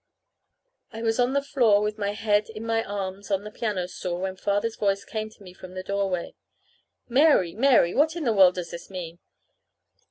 I was on the floor with my head in my arms on the piano stool when Father's voice came to me from the doorway. "Mary, Mary, what in the world does this mean?"